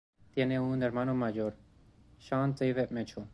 Tiene un hermano mayor, Sean David Mitchell.